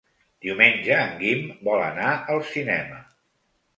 Diumenge en Guim vol anar al cinema.